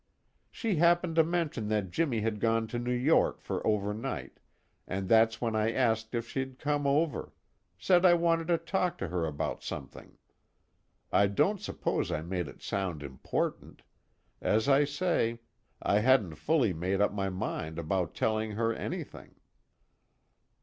She happened to mention that Jimmy had gone to New York for overnight, and that's when I asked if she'd come over said I wanted to talk to her about something. I don't suppose I made it sound important as I say, I hadn't fully made up my mind about telling her anything."